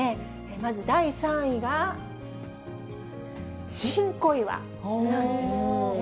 まず第３位が、新小岩なんですね。